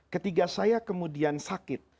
ketika saya kemudian sakit